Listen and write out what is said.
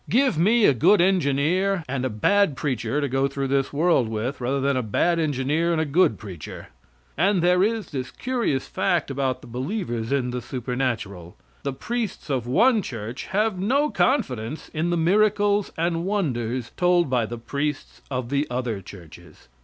Give me a good engineer and a bad preacher to go through this world with rather than a bad engineer and a good preacher; and there is this curious fact about the believers in the supernatural: The priests of one church have no confidence in the miracles and wonders told by the priests of the other churches.